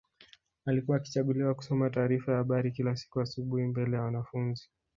Alikuwa akichaguliwa kusoma taarifa ya habari kila siku asubuhi mbele ya wanafunzi